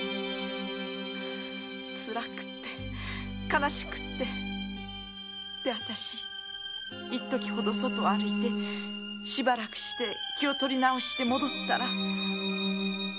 つらくって悲しくってでアタシいっときほど外を歩いて気を取り直して戻ったら。